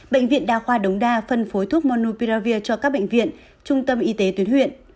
bệnh viện đa khoa đống đa phân phối thuốc monu piravir cho các bệnh viện trung tâm y tế tuyến huyện